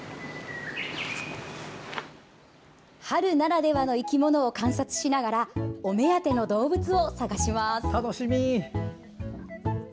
春ならではの生き物を観察しながらお目当ての動物を探します。